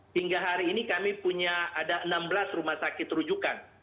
hingga hari ini kami punya ada enam belas rumah sakit rujukan